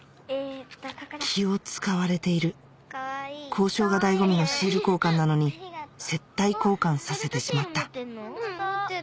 気を使われている交渉が醍醐味のシール交換なのに接待交換させてしまった